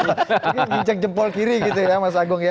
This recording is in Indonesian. bikin mincang jempol kiri gitu ya mas agung ya